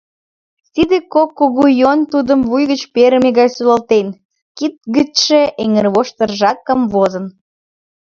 Тиде кок кугу йӧн тудым вуй гыч перыме гай солалтен; кид гычше эҥырвоштыржат камвозын.